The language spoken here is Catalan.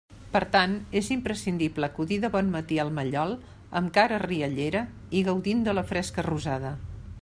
Per tant, és imprescindible acudir de bon matí al mallol amb cara riallera i gaudint de la fresca rosada.